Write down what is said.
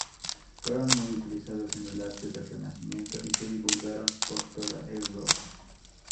Fueron muy utilizados en el arte del Renacimiento y se divulgaron por toda Europa.